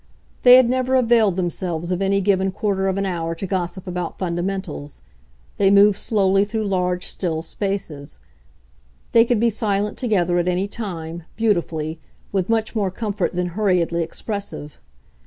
They had never availed themselves of any given quarter of an hour to gossip about fundamentals; they moved slowly through large still spaces; they could be silent together, at any time, beautifully, with much more comfort than hurriedly expressive.